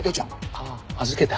ああ預けた。